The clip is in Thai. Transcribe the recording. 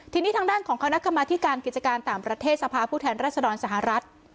ทีนี้ทางด้านของคณะกรรมธิการกิจการต่างประเทศสภาพผู้แทนรัศดรสหรัฐ